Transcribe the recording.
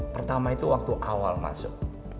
pertama itu waktu awal masuk